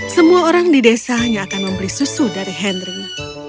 semua orang di desa hanya akan membeli susu dari henry